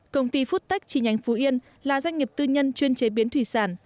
công ty foodtech chi nhánh phú yên là doanh nghiệp tư nhân chuyên chế biến thủy sản